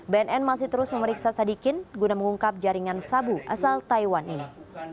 bnn masih terus memeriksa sadikin guna mengungkap jaringan sabu asal taiwan ini